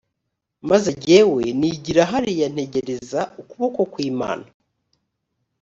maze jyewe nigire hariya ntegereze ukuboko kw’imana